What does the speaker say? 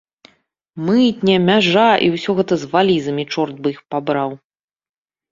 Мытня, мяжа, і ўсё гэта з валізамі, чорт бы іх пабраў!